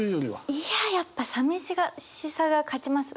いややっぱさみしさが勝ちます。